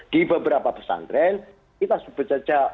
di beberapa pesantren kita sebut saja